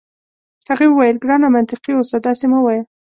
هغې وویل: ګرانه منطقي اوسه، داسي مه وایه.